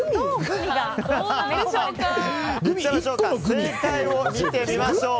正解を見てみましょう。